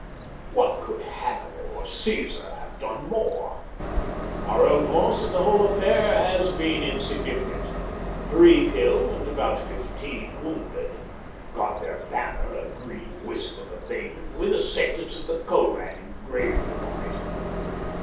What could Hannibal or Caesar have done more? Our own loss in the whole affair has been insignificant three killed and about fifteen wounded. Got their banner, a green wisp of a thing with a sentence of the Koran engraved upon it.